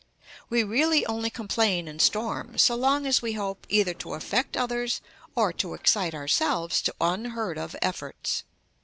We really only complain and storm so long as we hope either to affect others or to excite ourselves to unheard of efforts.